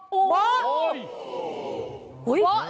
โบ๊ะโอ้โฮโอ้โฮโอ้โฮ